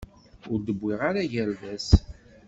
Ur d-wwiɣ ara agerdas.